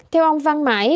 theo ông văn mãi